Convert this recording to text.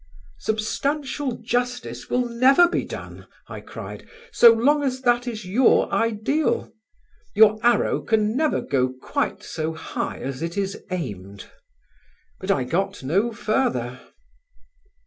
"Substantial justice will never be done," I cried, "so long as that is your ideal. Your arrow can never go quite so high as it is aimed." But I got no further.